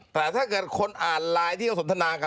แต่ถ้าเกิดคนอ่านไลน์ที่เขาสนทนากัน